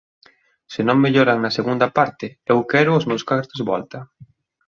_Se non melloran na segunda parte, eu quero os meus cartos de volta.